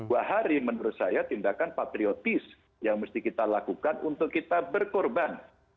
dua hari menurut saya tindakan patriotis yang mesti kita lakukan untuk kita berkorban